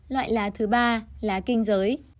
loại lá thứ ba là kinh giới